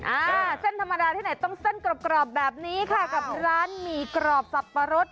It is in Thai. อ่าเส้นธรรมดาที่ไหนต้องเส้นกรอบกรอบแบบนี้ค่ะกับร้านหมี่กรอบสับปะรด